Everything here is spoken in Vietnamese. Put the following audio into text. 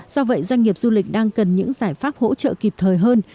do vậy doanh nghiệp du lịch đang cần những giải pháp hỗ trợ kịp thời hơn